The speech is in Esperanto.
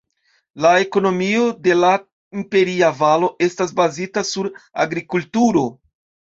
La ekonomio de la Imperia Valo estas bazita sur agrikulturo.